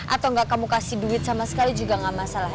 atau nggak kamu kasih duit sama sekali juga gak masalah